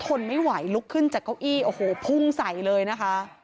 ทนไม่ไหวลุกขึ้นจากเก้าอี้โอ้โหพุ่งใส่เลยนะคะ